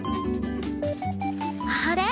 あれ？